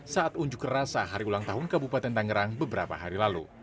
saat unjuk rasa hari ulang tahun kabupaten tangerang beberapa hari lalu